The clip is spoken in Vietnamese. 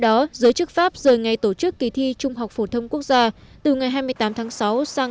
đó giới chức pháp rời ngay tổ chức kỳ thi trung học phổ thông quốc gia từ ngày hai mươi tám tháng sáu sang